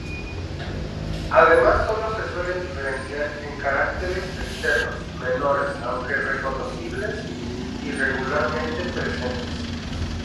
Además, solo se suelen diferenciar en caracteres externos menores aunque reconocibles y regularmente presentes.